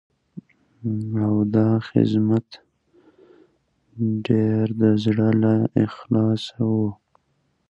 مفعول پر مستقیم او غېر مستقیم باندي وېشل سوی دئ.